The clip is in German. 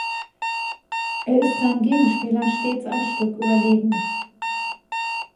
Er ist seinen Gegenspielern stets ein Stück überlegen.